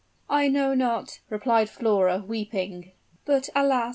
"I know not," replied Flora, weeping; "but alas!